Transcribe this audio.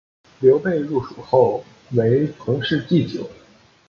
刘备入蜀后为从事祭酒。